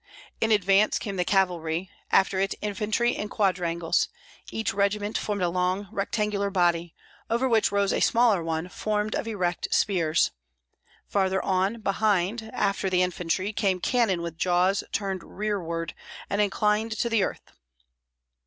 In advance came the cavalry, after it infantry in quadrangles; each regiment formed a long rectangular body, over which rose a smaller one formed of erect spears; farther on, behind, after the infantry, came cannon with jaws turned rearward and inclined to the earth.